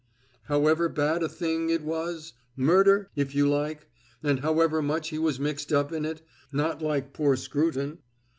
"However bad a thing it was murder, if you like and however much he was mixed up in it not like poor Scruton?"